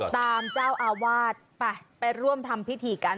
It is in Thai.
ตามเจ้าอาวาสไปไปร่วมทำพิธีกัน